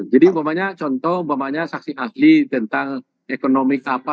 jadi contoh contoh saksi ahli tentang ekonomi apa